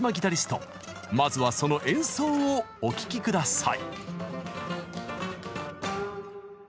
まずはその演奏をお聴き下さい！